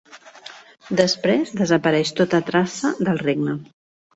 Després desapareix tota traça del regne.